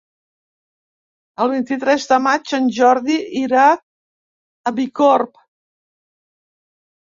El vint-i-tres de maig en Jordi irà a Bicorb.